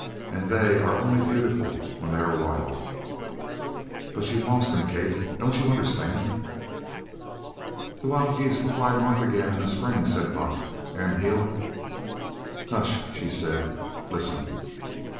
And they are only beautiful when they are wild!" "But you've lost him, Kate, don't you understand?" "The wild geese fly north again in spring," said Buck, "and he'll " "Hush!" she said. "Listen!"